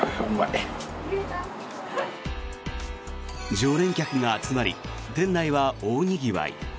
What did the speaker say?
常連客が集まり店内は大にぎわい。